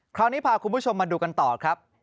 คราวนี้พาคุณผู้ชมมาดูกันต่อครับ